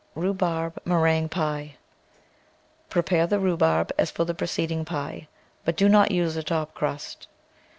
RHUBARB MERINGUE PIE Prepare the rhubarb as for the preceding pie, but do not use a top crust.